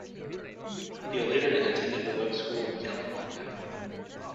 He later attended the Webb School of California.